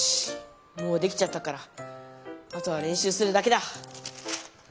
もうできちゃったからあとはれんしゅうするだけだ！